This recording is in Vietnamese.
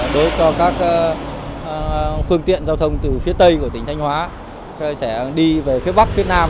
đối với các phương tiện giao thông từ phía tây của tỉnh thanh hóa sẽ đi về phía bắc phía nam